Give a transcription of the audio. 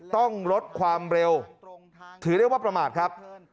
ต้องลดความเร็วถือเรียกว่าประมาทครับ